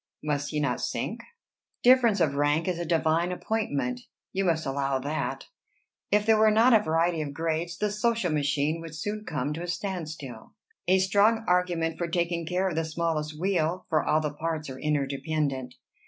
Must he not sink?" "Difference of rank is a divine appointment, you must allow that. If there were not a variety of grades, the social machine would soon come to a stand still." "A strong argument for taking care of the smallest wheel, for all the parts are interdependent.